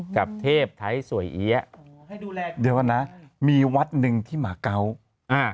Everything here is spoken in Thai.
กับเทพไทยสวยเอี้ยเดี๋ยวนะมีวัดหนึ่งที่หมาเกาอ่า